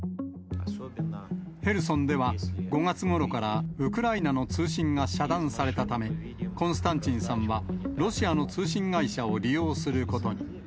ヘルソンでは、５月ごろからウクライナの通信が遮断されたため、コンスタンチンさんはロシアの通信会社を利用することに。